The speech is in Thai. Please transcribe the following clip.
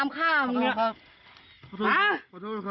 นั่งลง